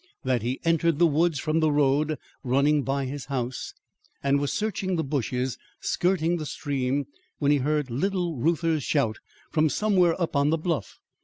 That he entered the woods from the road running by his house, and was searching the bushes skirting the stream when he heard little Reuther's shout from somewhere up on the bluff.